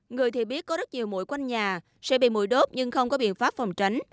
người thì biết có rất nhiều mũi quanh nhà sẽ bị mũi đốt nhưng không có biện pháp phòng tránh